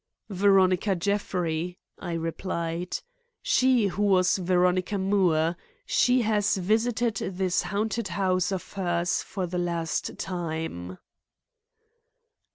_" "Veronica Jeffrey," I replied. "She who was Veronica Moore. She has visited this haunted house of hers for the last time."